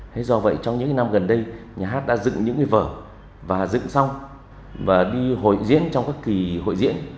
thế do vậy trong những năm gần đây nhà hát đã dựng những cái vở và dựng xong và đi hội diễn trong các kỳ hội diễn